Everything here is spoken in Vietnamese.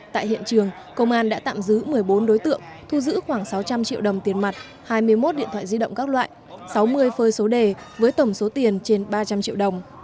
tại hiện trường công an đã tạm giữ một mươi bốn đối tượng thu giữ khoảng sáu trăm linh triệu đồng tiền mặt hai mươi một điện thoại di động các loại sáu mươi phơi số đề với tổng số tiền trên ba trăm linh triệu đồng